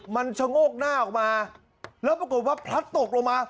มันชะโงกหน้าออกมาแล้วปรากฏว่าพลัดตกลงมา